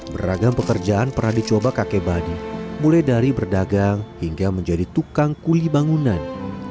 beragam pekerjaan pernah dicoba kakek badi mulai dari berdagang hingga menjadi tukang kuli bangunan